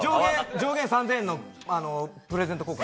上限３０００円のプレゼント交換。